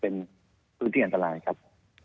เป็นพื้นที่อันตรายครับ